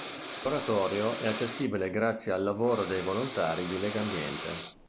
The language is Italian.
L'oratorio è accessibile grazie al lavoro dei volontari di Legambiente.